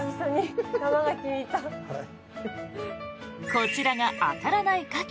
こちらが、あたらないカキ。